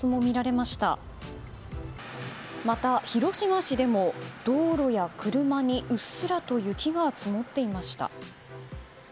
また、広島市でも道路や車にうっすらと雪が積もっていました。